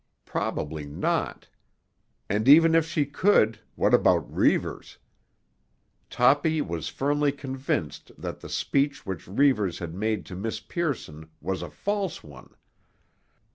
Probably not. And even if she could, what about Reivers? Toppy was firmly convinced that the speech which Reivers had made to Miss Pearson was a false one.